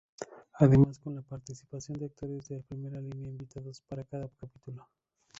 Además con la participación de actores de primera línea invitados para cada capítulo.